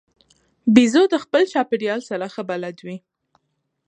بیزو د خپل چاپېریال سره ښه بلد وي.